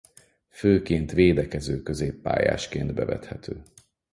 Főként védekező középpályásként bevethető.